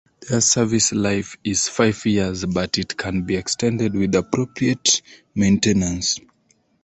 Their service life is five years but it can be extended with appropriate maintenance.